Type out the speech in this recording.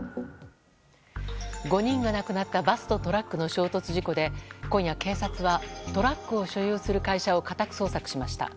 ５人が亡くなったバスとトラックの衝突事故で今夜、警察はトラックを所有する会社を家宅捜索しました。